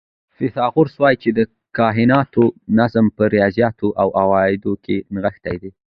فیثاغورث وایي چې د کائناتو نظم په ریاضیاتو او اعدادو کې نغښتی دی.